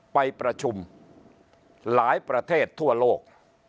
ไปประชุมหลายประเทศทั่วโลก